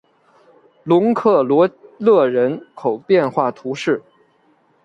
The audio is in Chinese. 龙克罗勒人口变化图示